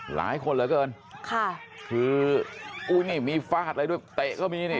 หลายคนเหลือเกินค่ะคืออุ้ยนี่มีฟาดอะไรด้วยเตะก็มีนี่